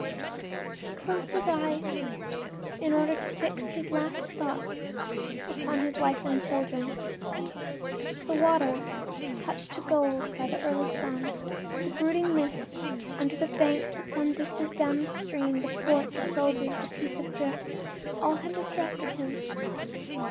He closed his eyes in order to fix his last thoughts upon his wife and children. The water, touched to gold by the early sun, the brooding mists under the banks at some distance down the stream, the fort, the soldiers, the piece of drift—all had distracted him.